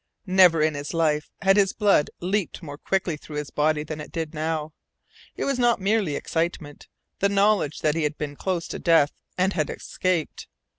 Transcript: Never in his life had his blood leaped more quickly through his body than it did now. It was not merely excitement the knowledge that he had been close to death, and had escaped.